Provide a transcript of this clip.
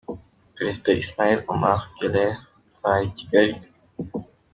Perezida Ismaïl Omar Guelleh araye i Kigali.